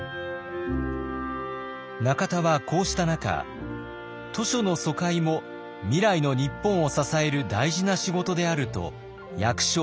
中田はこうした中「図書の疎開も未来の日本を支える大事な仕事である」と役所を説得。